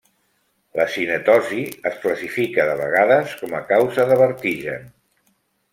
La cinetosi es classifica de vegades com a causa de vertigen.